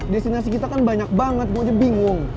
destinasi kita kan banyak banget gua aja bingung